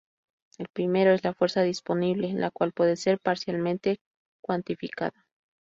El primero es la "fuerza disponible", la cual puede ser parcialmente cuantificada.